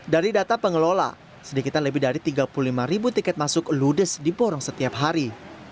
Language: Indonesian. dari data pengelola sedikitan lebih dari tiga puluh lima ribu tiket masuk ludes di porong setiap hari